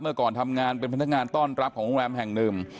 เมื่อก่อนทำงานเป็นพนักงานต้อนรับของโรงแรมแห่งหนึ่ง